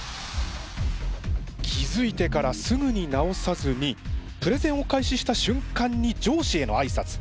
気付いてからすぐに直さずにプレゼンを開始した瞬間に上司へのあいさつ。